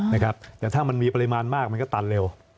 นะครับแต่ถ้ามันมีปริมาณมากมันก็ตันเร็ว